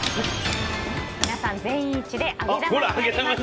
皆さん、全員一致で揚げ玉になりました。